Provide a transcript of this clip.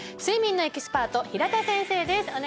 睡眠のエキスパート平田先生です